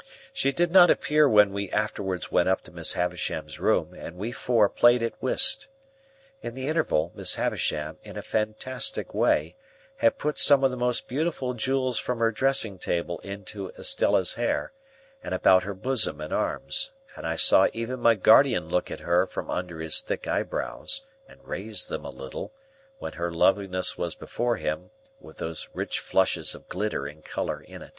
She did not appear when we afterwards went up to Miss Havisham's room, and we four played at whist. In the interval, Miss Havisham, in a fantastic way, had put some of the most beautiful jewels from her dressing table into Estella's hair, and about her bosom and arms; and I saw even my guardian look at her from under his thick eyebrows, and raise them a little, when her loveliness was before him, with those rich flushes of glitter and colour in it.